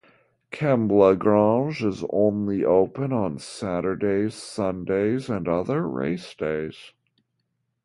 Kembla Grange is only open on Saturdays, Sundays and other race days.